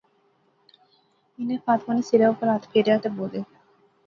انیں فاطمہ نے سرے اوپر ہتھ پھیریا تہ بولے